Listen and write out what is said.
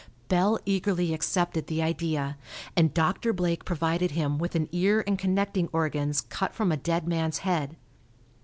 Bell eagerly accepted the idea, and Doctor Blake provided him with an ear and connecting organs cut from a dead man's head.